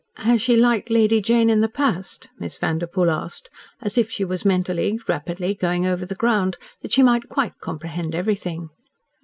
"Has she liked Lady Jane in the past?" Miss Vanderpoel asked, as if she was, mentally, rapidly going over the ground, that she might quite comprehend everything.